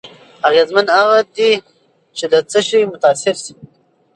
اغېزمن هغه دی چې له څه شي متأثر شي.